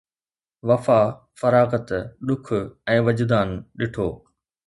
وفا، فراغت، ڏک ۽ وجدان ڏٺو